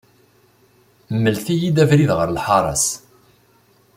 Mlet-iyi-d abrid ɣer lḥaṛa-s.